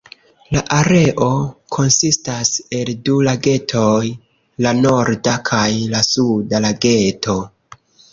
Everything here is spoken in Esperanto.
La areo konsistas el du lagetoj, la "Norda" kaj la "Suda" Lageto.